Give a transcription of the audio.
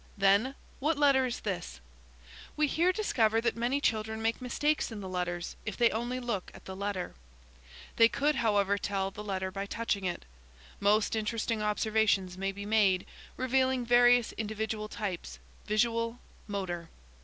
Then, 'What letter is this?' We here discover that many children make mistakes in the letters if they only look at the letter. "They could however tell the letter by touching it. Most interesting observations may be made, revealing various individual types: visual, motor.